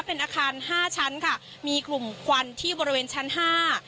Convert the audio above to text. เป็นอาคารห้าชั้นค่ะมีกลุ่มควันที่บริเวณชั้นห้า